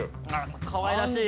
かわいらしい！